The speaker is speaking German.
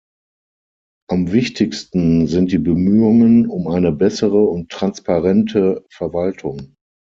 Am wichtigsten sind die Bemühungen um eine bessere und transparente Verwaltung.